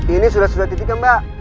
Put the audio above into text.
ini sudah sudah titik ya mbak